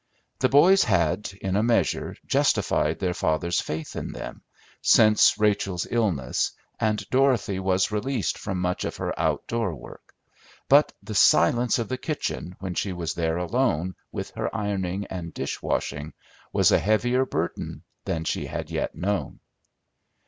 The boys had, in a measure, justified their father's faith in them, since Rachel's illness, and Dorothy was released from much of her out door work; but the silence of the kitchen, when she was there alone with her ironing and dish washing, was a heavier burden than she had yet known.